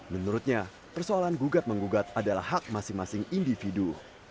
menurutnya persoalan gugat menggugat adalah hak masing masing individu